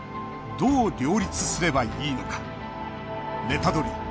どう両立すればいいのかネタドリ！